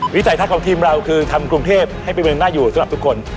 วิสัยทัศน์ของทีมเราคือทำกรุงเทพให้เป็นเมืองน่าอยู่สำหรับทุกคน